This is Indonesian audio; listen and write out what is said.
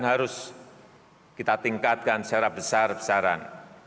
harus kita tingkatkan secara besar besaran